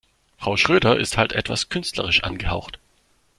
Frau Schröder ist halt etwas künstlerisch angehaucht.